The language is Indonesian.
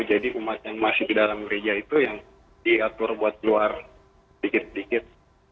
jadi umat yang masih di dalam gereja itu yang diatur buat keluar sedikit sedikit